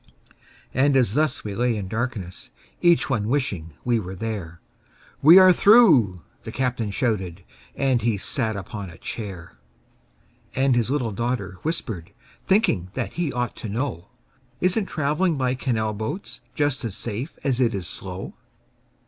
And as thus we lay in darkness, Each one wishing we were there, "We are through!" the captain shouted, And he sat upon a chair. And his little daughter whispered, Thinking that he ought to know, "Isn't travelling by canal boats Just as safe as it is slow?"